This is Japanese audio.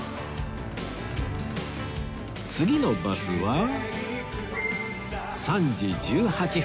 次のバスは３時１８分